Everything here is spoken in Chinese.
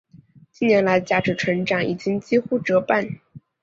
近年来价值成长已经几乎折半。